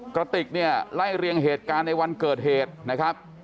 กระติกเนี่ยไล่เรียงเหตุการณ์ในวันเกิดเหตุนะครับ